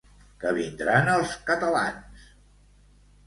Que vindran els catalans!